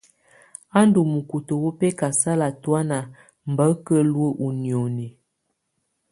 A ndù mukutǝ wù bɛkasala tɔ̀ána mba á ka luǝ́ ù nìóni.